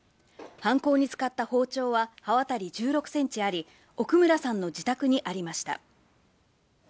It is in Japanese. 犯行に使った包丁は刃渡り１６ｃｍあり、奥村さんの自宅にありました。